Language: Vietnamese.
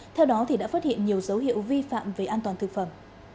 theo đó đã phát hiện nhiều dấu hiệu vi phạm về an toàn thực phẩm